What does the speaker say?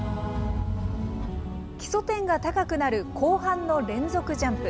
基礎点が高くなる後半の連続ジャンプ。